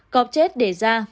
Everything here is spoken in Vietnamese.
cọp chết để ra